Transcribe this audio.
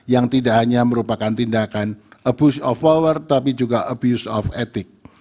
yang tidak hanya merupakan tindakan abuse of power tapi juga abuse of etik